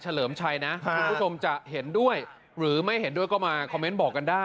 สังคมไทยเราด้วยทั้งหมด